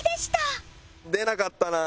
出なかったな。